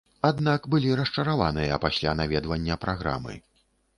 Аднак былі расчараваныя пасля наведвання праграмы.